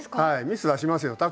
はいミスはしますよ。